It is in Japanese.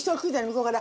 向こうから。